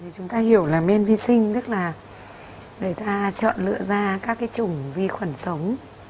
chúng ta hiểu là nên vi sinh tức là người ta chọn lựa ra các cái chủng vi khuẩn sống